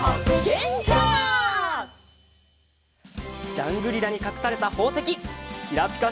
ジャングリラにかくされたほうせききらぴか